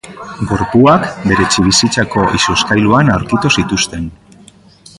Gorpuak bere etxebizitzako izozkailuan aurkitu zituzten.